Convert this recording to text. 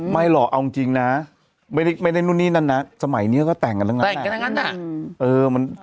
ไม่หรอกเอาจริงนะไม่ได้นู่นนี่นั่นนะสมัยนี้ก็แต่งกันด้านนั้นแต่งกันด้านนั้นนะ